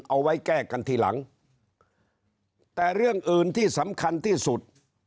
เอาไว้แก้กันทีหลังแต่เรื่องอื่นที่สำคัญที่สุด